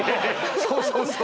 そうそうそう。